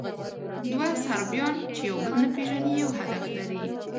دوه صربیان، چې یو بل نه پېژني، یو هدف لري.